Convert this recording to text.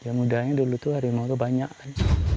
ya mudahnya dulu tuh harimau itu banyak kan